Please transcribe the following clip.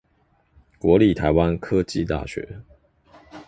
國立臺灣科技大學